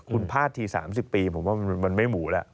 คุณพลาดที๓๐ปีผมว่ามันไม่หมูแล้ว